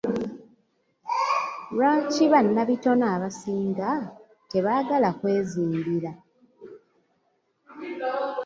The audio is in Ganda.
Lwaki bannabitone abasinga tebaagala kwezimbira?